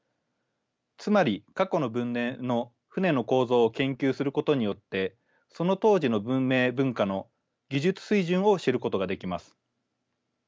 つまり過去の文明の船の構造を研究することによってその当時の文明文化の技術水準を知ることができます。